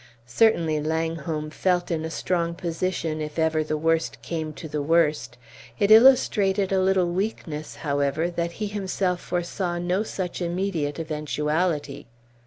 Certainly Langholm felt in a strong position, if ever the worst came to the worst; it illustrated a little weakness, however, that he himself foresaw no such immediate eventuality.